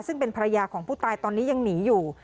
ซึ่งเป็นภรรยาของผู้ตายตอนนี้ยังหนีอยู่